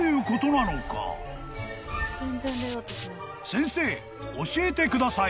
［先生教えてください］